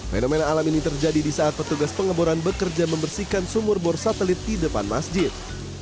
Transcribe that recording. fenomena alam ini terjadi di saat petugas pengeboran bekerja membersihkan sumur bor satelit di depan masjid